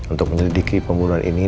untuk menyelidiki pembunuhan ini